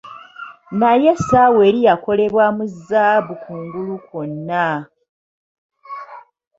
naye essaawa eri yakolebwa mu zzaabu kungulu kwonna.